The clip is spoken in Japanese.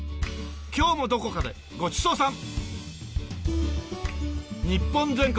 今日もどこかでごちそうさん！